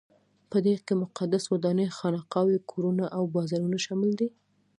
په دې کې مقدسې ودانۍ، خانقاوې، کورونه او بازارونه شامل دي.